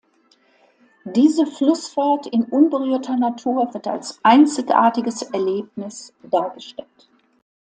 Diese Flussfahrt in unberührter Natur wird als einzigartiges Erlebnis dargestellt.